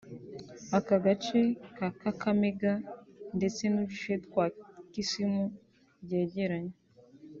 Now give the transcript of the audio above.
Ako gace ka Kakamega ndetse n’uduce twa Kisumu byegeranye